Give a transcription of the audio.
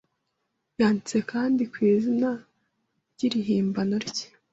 Yanditse kandi ku izina ry'irihimbano rye